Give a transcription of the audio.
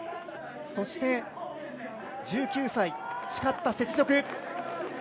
そして１９歳、誓った雪辱。